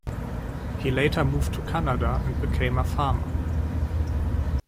He later moved to Canada, and became a farmer.